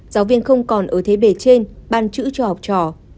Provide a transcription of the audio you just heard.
giáo viên không còn ở thế bề trên ban chữ cho học trò